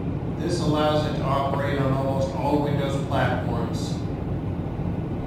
This allows it to operate on almost all Windows platforms.